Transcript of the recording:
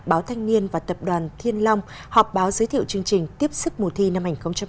báo thanh niên và tập đoàn thiên long họp báo giới thiệu chương trình tiếp sức mùa thi năm hai nghìn hai mươi